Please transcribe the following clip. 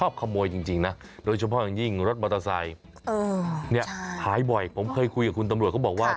ไปลองฟังเสียงจากผู้เสียหายครับ